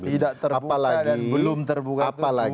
tidak terbuka dan belum terbuka